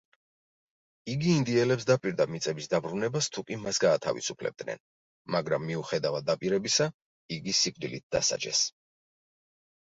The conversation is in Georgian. იგი ინდიელებს დაპირდა მიწების დაბრუნებას თუკი მას გაათავისუფლებდნენ, მაგრამ მიუხედავად დაპირებისა იგი სიკვდილით დასაჯეს.